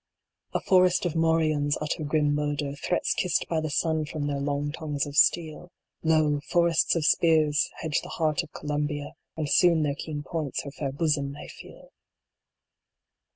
A forest of morions utter grim murder Threats kissed by the sun from their long tongues of steel ; Lo, forests of spears hedge the heart of Columbia, And soon their keen points her fair bosom may feel